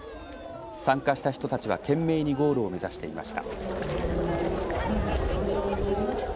参加した人たちは懸命にゴールを目指していました。